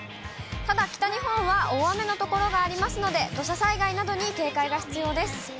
ただ、北日本は大雨の所がありますので、土砂災害などに警戒が必要です。